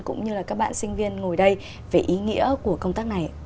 cũng như là các bạn sinh viên ngồi đây về ý nghĩa của công tác này